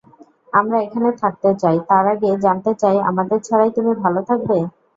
আমরা এখানে থাকতে চাই, তার আগে জানতে চাই আমাদের ছাড়াই তুমি ভালো থাকবে।